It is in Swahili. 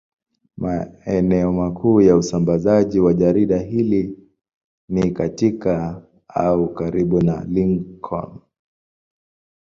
Maeneo makuu ya usambazaji wa jarida hili ni katika au karibu na Lincoln.